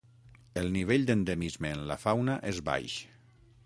El nivell d'endemisme en la fauna és baix.